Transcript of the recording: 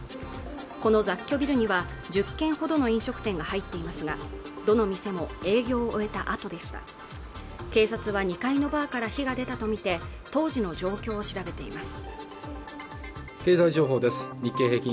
この雑居ビルには１０軒ほどの飲食店が入っていますがどの店も営業を終えたあとでした警察は２階のバーから火が出たとみて当時の状況を調べています